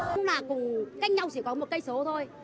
chúng là cùng canh nhau chỉ có một cây số thôi